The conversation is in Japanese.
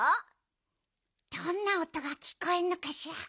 どんなおとがきこえるのかしら。